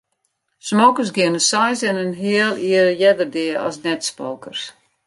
Smokers geane seis en in heal jier earder dea as net-smokers.